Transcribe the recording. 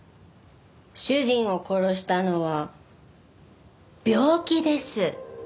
主人を殺したのは病気です。